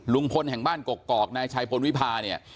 ลุงพลแห่งบ้านกกอกนายชัยพลวิพาเนี่ย